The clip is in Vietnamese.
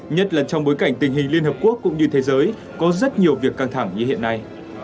nhất là trong bối cảnh tình hình liên hợp quốc cũng như thế giới có rất nhiều việc căng thẳng như hiện nay